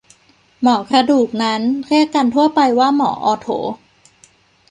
หมอกระดูกนั้น เรียกกันทั่วไปว่าหมอออร์โถ